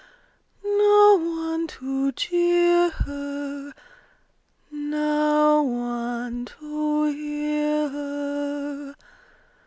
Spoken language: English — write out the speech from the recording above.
No one to jeer her! No one to hear her!